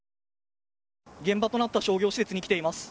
現場となった商業施設に来ています。